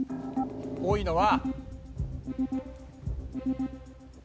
多いのは。